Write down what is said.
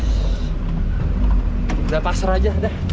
sudah pasrah aja dah